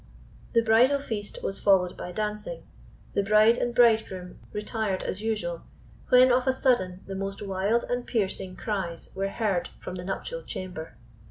The bridal feast was followed by dancing. The bride and bridegroom retired as usual, when of a sudden the most wild and piercing cries were heard from the nuptial chamber.